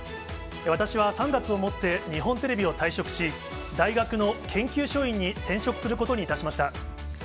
私は３月をもって、日本テレビを退職し、大学の研究所員に転職することにいたしました。